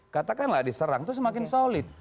katakanlah diserang itu semakin solid